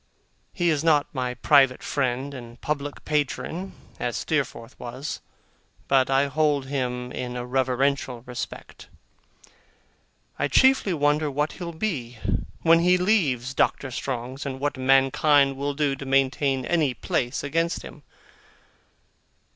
He is not my private friend and public patron, as Steerforth was, but I hold him in a reverential respect. I chiefly wonder what he'll be, when he leaves Doctor Strong's, and what mankind will do to maintain any place against him.